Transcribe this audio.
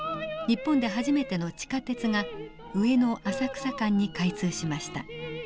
日本で初めての地下鉄が上野浅草間に開通しました。